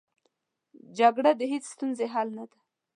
جګړه د هېڅ ستونزې حل نه ده